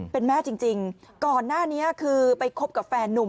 เป็นแม่จริงก่อนหน้านี้คือไปคบกับแฟนนุ่ม